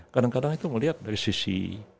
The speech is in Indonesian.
kadang kadang itu melihat dari sisi